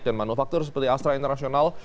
manufaktur seperti astra internasional